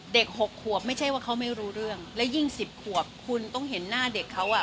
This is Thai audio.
หกขวบไม่ใช่ว่าเขาไม่รู้เรื่องและยิ่งสิบขวบคุณต้องเห็นหน้าเด็กเขาอ่ะ